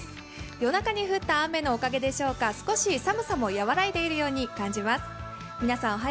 夜中に降った雨のおかげでしょうか少し寒さも和らいでいるように感じます。